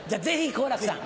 好楽さん。